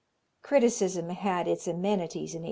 Criticism had its amenities in 1833.